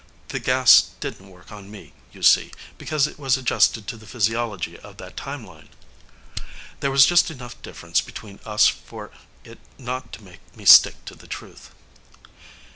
The gas didn't work on me, you see, because it was adjusted to the physiology of that timeline. There was just enough difference between us for it not to make me stick to the truth.